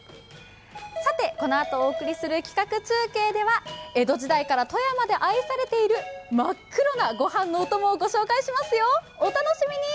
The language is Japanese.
さて、このあとお送りする企画中継では、江戸時代から富山で愛されている真っ黒なごはんのおともを御紹介しますよお楽しみに。